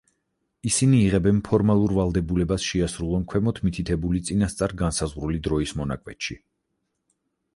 ისინი იღებენ ფორმალურ ვალდებულებას შეასრულონ ქვემოთ მითითებული წინასწარ განსაზღვრული დროის მონაკვეთში.